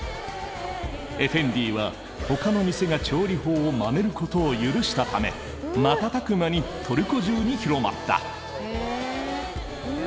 エフェンディはほかの店が調理法をまねることを許したため瞬く間にトルコ中に広まった。